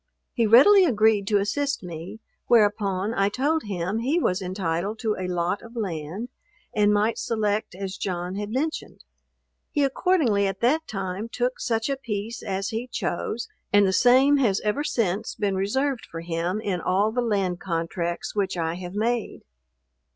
He readily agreed to assist me; whereupon I told him he was entitled to a lot of land, and might select as John had mentioned. He accordingly at that time took such a piece as he chose, and the same has ever since been reserved for him in all the land contracts which I have made.